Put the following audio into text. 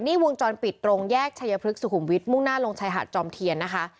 นี่วงจรปิดตรงแยกชายพลึกสุขุมวิทย์มุ่งหน้าลงชายหาดจอมเทียนนะคะ